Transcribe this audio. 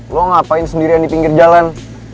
lo ngapain sendirian di pinggir jalan